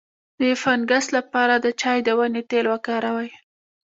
د فنګس لپاره د چای د ونې تېل وکاروئ